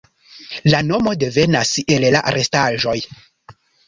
La nomo devenas el la restaĵoj.